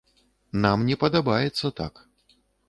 Нам не падабаецца так.